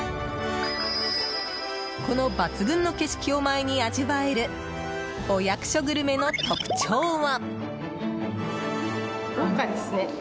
この抜群の景色を前に味わえるお役所グルメの特徴は。